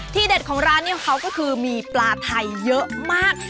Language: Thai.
เด็ดของร้านนี้ของเขาก็คือมีปลาไทยเยอะมาก